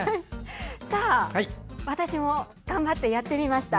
私も頑張ってやってみました。